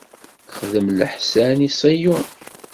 Xdem leḥsan i Ṣiyun.